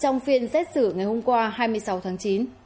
trong phiên xét xử ngày hôm qua hai mươi sáu tháng chín